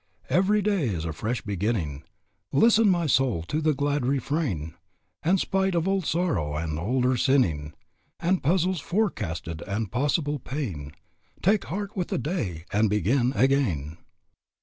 "Every day is a fresh beginning, Listen, my soul, to the glad refrain, And, spite of old sorrow and older sinning, And puzzles forecasted, and possible pain, Take heart with the day and begin again."